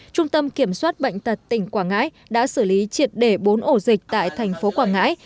trung tâm kiểm soát bệnh tật tỉnh quảng ngãi đã xử lý triệt để bốn ổ dịch tại thành phố quảng ngãi